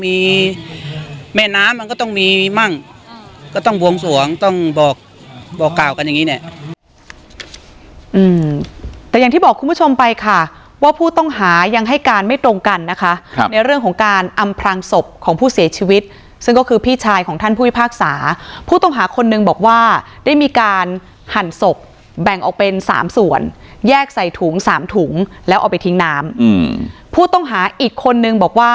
มีแม่น้ำมันก็ต้องมีมั่งก็ต้องบวงสวงต้องบอกบอกกล่าวกันอย่างงี้เนี่ยอืมแต่อย่างที่บอกคุณผู้ชมไปค่ะว่าผู้ต้องหายังให้การไม่ตรงกันนะคะครับในเรื่องของการอำพลังศพของผู้เสียชีวิตซึ่งก็คือพี่ชายของท่านผู้พิพากษาผู้ต้องหาคนนึงบอกว่าได้มีการหั่นศพแบ่งออกเป็นสามส่วนแยกใส่ถุงสามถุงแล้วเอาไปทิ้งน้ำอืมผู้ต้องหาอีกคนนึงบอกว่า